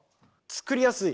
「作りやすい」